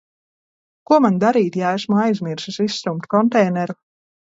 Ko man darīt, ja esmu aizmirsis izstumt konteineru?